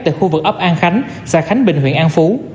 tại khu vực ấp an khánh xã khánh bình huyện an phú